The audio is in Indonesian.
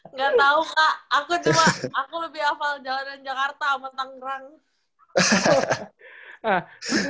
nggak tahu kak aku cuma aku lebih hafal jalanan jakarta sama tangerang